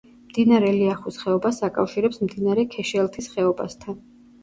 მდინარე ლიახვის ხეობას აკავშირებს მდინარე ქეშელთის ხეობასთან.